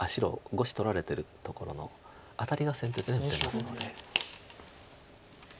５子取られてるところのアタリが先手で打てますので。